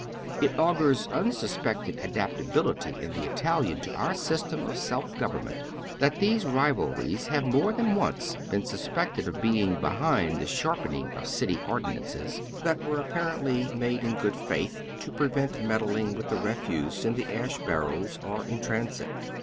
It augurs unsuspected adapta bility in tbe Italian to our system of self government tliat these livalriea liave more than once been suspected of be ing behind tlie sharpening of city ordinances, that were apparently made in good faith to prevent meddling witli tlie refuse in tbe asb barrels or ia transit.